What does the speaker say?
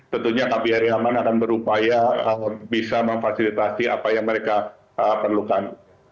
tentunya kbri aman akan berupaya bisa memfasilitasi apa yang mereka perlukan